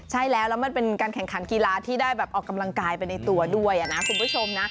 ใช่แล้วแล้วมันเป็นการแข่งขันกีฬาที่ได้แบบออกกำลังกายไปในตัวด้วยนะคุณผู้ชมนะ